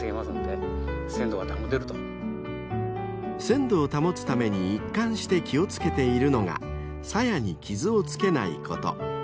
［鮮度を保つために一貫して気を付けているのがサヤに傷を付けないこと］